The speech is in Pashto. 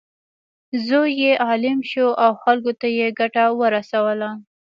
زوی یې عالم شو او خلکو ته یې ګټه ورسوله.